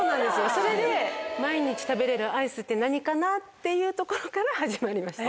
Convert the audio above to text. それで毎日食べれるアイスって何かな？っていうところから始まりました。